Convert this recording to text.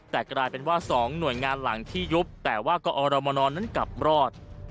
แต่กลายเป็นว่า๒หน่วยงานหลังที่ยุบแต่ว่ากอรมนนั้นกลับรอด